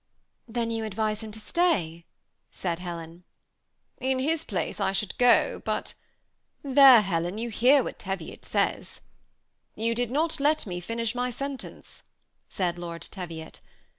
" Then you advise him to stay ?" said Helen. 182 THE SEMI ATTACHCa) COUPLE. In his place I should go, but ft "There, Helen, you hear what Teviot says. " You did not let me finish my sentence," said Lord Teviot.